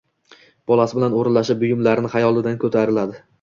Bolasi bilan o`ralashib, buyumlari xayolidan ko`tariladi